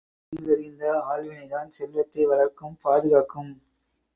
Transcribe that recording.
அறிவறிந்த ஆள்வினைதான் செல்வத்தை வளர்க்கும் பாதுகாக்கும்!